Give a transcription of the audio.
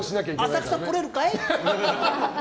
浅草、来れるかい？